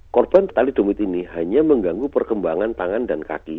korban talidomid ini hanya mengganggu perkembangan tangan dan kaki